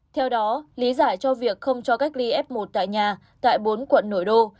theo đó lý giải cho việc không cho cách ly f một tại nhà tại bốn quận nội đô